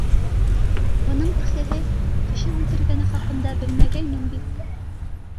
Уның әсәһе кеше үлтергәне хаҡында белмәгәйнем бит.